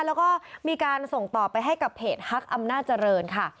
แล้วก็มีการส่งต่อไปให้กับเพจฮักอำนาจเจริญค่ะ